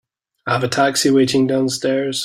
I have a taxi waiting downstairs.